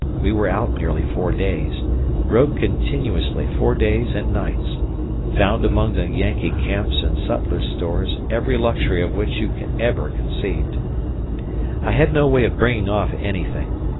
We were out nearly four days, rode continuously four days and nights, found among the Yankee camps and sutlers' stores every luxury of which you ever conceived. I had no way of bringing off anything.